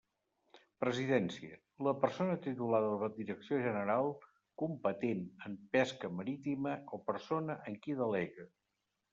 Presidència: la persona titular de la direcció general competent en pesca marítima o persona en qui delegue.